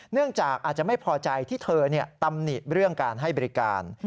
เนื่องจากอาจจะไม่พอใจที่เธอตำหนิเรื่องการให้บริการ